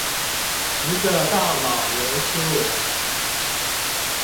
一個大馬年輕人